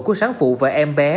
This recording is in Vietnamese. của sáng phụ và em bé